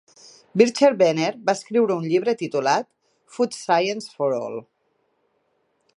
Bircher Benner va escriure un llibre titulat "Food Science for All".